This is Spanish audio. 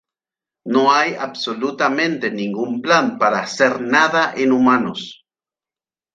No hay absolutamente ningún plan para hacer nada en humanos".